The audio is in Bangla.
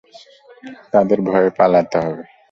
তাদের ভয়ে পালাতে হবে।